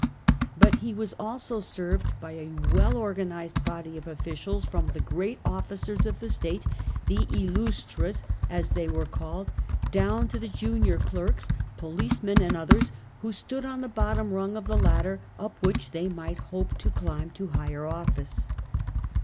But he was also served by a well organised body of officials, from the great officers ol State, the " Illustres," as they were called, down to the junior clerks, policemen and others who stood on the bottom rung of the ladder, up which they might hop* to climb to higher office.